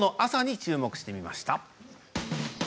注目してみました。